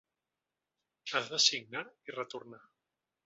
Has de signar i retornar.